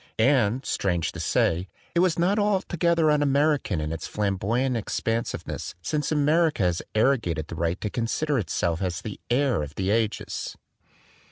And, strange to say, it was not altogether un American in its flamboyant ex pensiveness, since America has arrogated the right to consider itself as the heir of the ages.